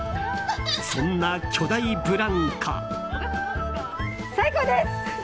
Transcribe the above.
そんな巨大ブランコ。